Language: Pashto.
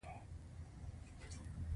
احساسات د کرامت د رعایت اساسي معیار دی.